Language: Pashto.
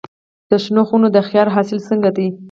د شنو خونو د خیار حاصل څنګه دی؟